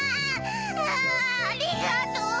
わぁありがとう！